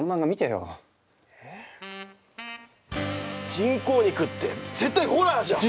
「人工肉」って絶対ホラーじゃん！